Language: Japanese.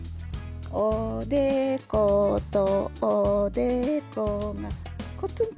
おでことおでこがこっつんこ。